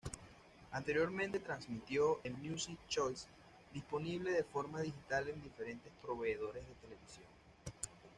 Anteriormente transmitió en Music Choice, disponible de forma digital en diferentes proveedores de televisión.